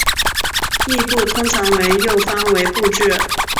殳部通常从右方为部字。